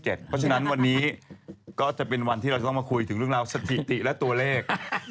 เพราะฉะนั้นวันนี้ก็จะเป็นวันที่เราจะมาคุยถึงสถิติและตัวเลข